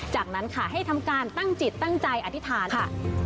จากนั้นค่ะให้ทำการตั้งจิตตั้งใจอธิษฐานค่ะ